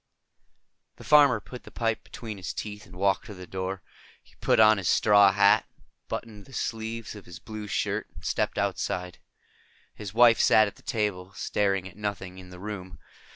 The farmer put the pipe between his teeth and walked to the door. He put on his straw hat, buttoned the sleeves of his blue shirt and stepped outside. His wife sat at the table, staring at nothing in the room.